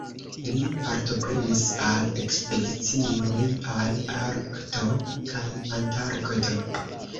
Li partoprenis al ekspedicioj al Arkto kaj Antarkto.